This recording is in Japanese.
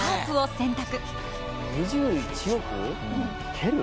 ２１億蹴る？